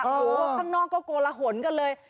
โอ้โหข้างนอกก็โกละหนกันเลย